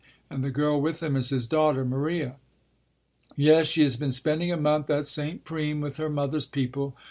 "And the girl with him is his daughter? Maria ..." "Yes, she has been spending a month at St. Prime with her mother's people.